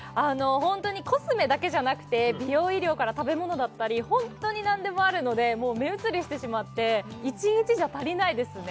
ホントにコスメだけじゃなくて美容医療から食べ物だったりホントに何でもあるので目移りしてしまって１日じゃ足りないですね